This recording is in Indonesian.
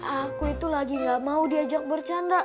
aku itu lagi gak mau diajak bercanda